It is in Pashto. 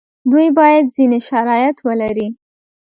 دوی باید ځینې شرایط ولري.